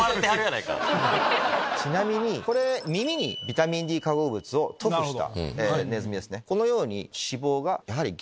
これ耳にビタミンＤ化合物を塗布したネズミですね。